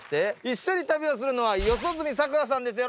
一緒に旅をするのは四十住さくらさんです